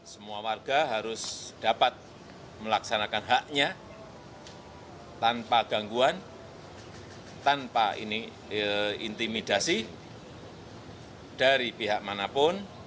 semua warga harus dapat melaksanakan haknya tanpa gangguan tanpa intimidasi dari pihak manapun